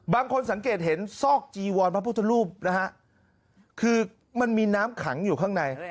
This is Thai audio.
สังเกตเห็นซอกจีวรพระพุทธรูปนะฮะคือมันมีน้ำขังอยู่ข้างใน